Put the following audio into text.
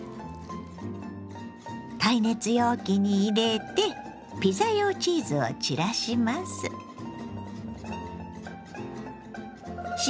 耐熱容器に入れてピザ用チーズを散らします。